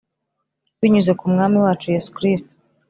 binyuze ku Mwami wacu Yesu Kristo